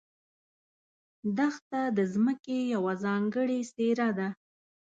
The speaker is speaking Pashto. دښته د ځمکې یوه ځانګړې څېره ده.